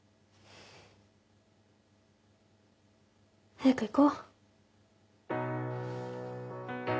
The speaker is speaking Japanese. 早く行こ。